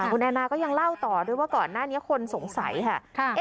คุณแอนนาก็ยังเล่าต่อด้วยว่าก่อนหน้านี้คนสงสัยค่ะ